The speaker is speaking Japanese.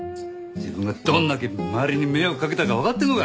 自分がどれだけ周りに迷惑かけたかわかってんのか？